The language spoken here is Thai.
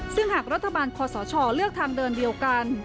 ซึ่งหากรัฐบาลคอสชเลือกทางเดินเดียวกัน